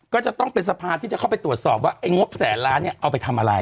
ก็จะต้องเป็นสะพานที่จะเข้าไปตรวจสอบว่าไอ้งบแสนล้านเนี่ยเอาไปทำอะไร